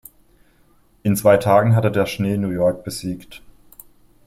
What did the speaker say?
In zwei Tagen hat der Schnee New York besiegt.